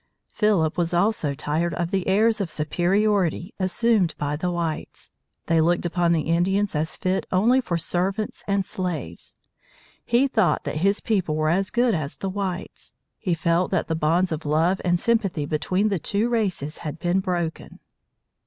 Philip was also tired of the airs of superiority assumed by the whites. They looked upon the Indians as fit only for servants and slaves. He thought that his people were as good as the whites. He felt that the bonds of love and sympathy between the two races had been broken.